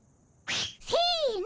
せの。